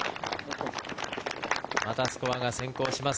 またスコアが先行します。